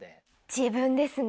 自分ですね。